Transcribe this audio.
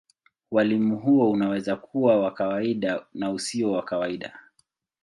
Ualimu huo unaweza kuwa wa kawaida na usio wa kawaida.